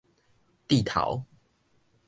蒂頭